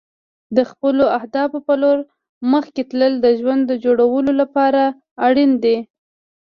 د خپلو اهدافو په لور مخکې تلل د ژوند د جوړولو لپاره اړین دي.